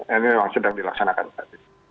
ini memang sedang dilaksanakan saat ini